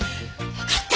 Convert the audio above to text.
わかった！